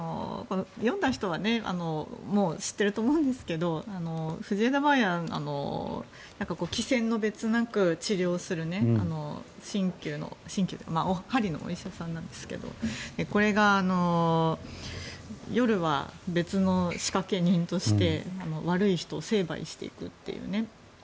読んだ人は知ってると思うんですけど藤枝梅安は貴賤の別なく治療をするはりのお医者さんなんですがこれが夜は別の仕掛け人として悪い人を成敗していくという。